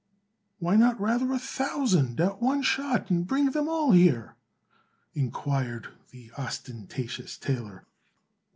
"Why not rather a thousand at one shot, and bring them all here?" inquired the ostentatious tailor.